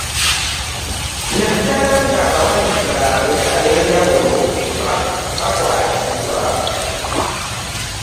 Naddala ng'abawagizi baabwe ab'enjawulo bakwatibwa